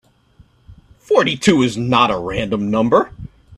Forty-two is not a random number.